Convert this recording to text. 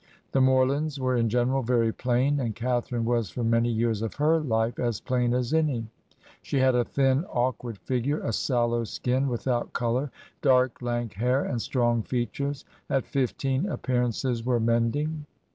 "The Morlands ... were in general very plain, and Catharine was, for many years of her life, as plain as any. 57 Digitized by VjOOQIC HEROINES OF FICTION She had a thin, awkward figure, a sallow skin without color, dark lank hair, and strong features. ... At fif teen, appearances were mending.